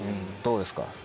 どうですか？